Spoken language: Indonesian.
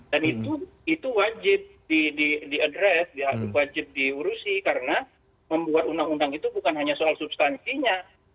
itu wajib di addres wajib diurusi karena membuat undang undang itu bukan hanya soal substansinya